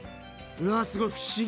うわすごい不思議。